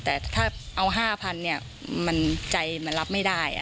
แต่ถ้าเอา๕๐๐เนี่ยมันใจมันรับไม่ได้